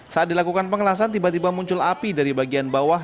saat dilakukan pengelasan tiba tiba muncul api dari bagian bawah